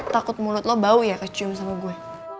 takut mulut lo bau ya kecium sama gue